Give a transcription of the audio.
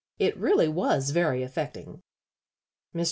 It really was very affecting." Mr.